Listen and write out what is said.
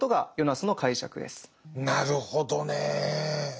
なるほどねぇ。